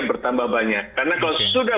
bertambah banyak karena kalau sudah